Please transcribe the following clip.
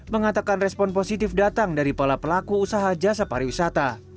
mengatakan respon positif datang dari para pelaku usaha jasa pariwisata